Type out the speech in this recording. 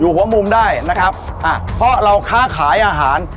หัวมุมได้นะครับอ่ะเพราะเราค้าขายอาหาร